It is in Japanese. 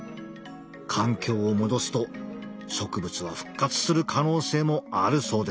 環境を戻すと植物は復活する可能性もあるそうです。